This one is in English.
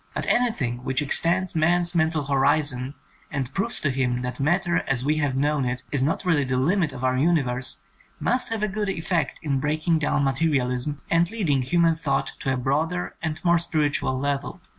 But anything which extends man's mental horizon, and proves to him that matter as we have known it is not really the limit of our universe, must have a good effect in breaking down materialism and leading human thought to a broader and more spiritual level.